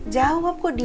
jawab kok dia